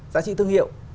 giá trị thương hiệu